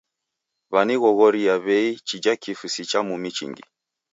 Wanighoghoria w'ei chija kifu si cha mumi chingi.